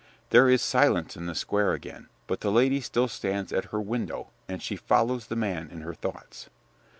There is silence in the square again, but the lady still stands at her window, and she follows the man in her thoughts.